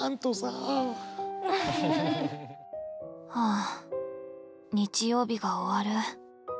ああ日曜日が終わる。